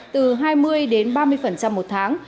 từ hai mươi đến ba mươi một tháng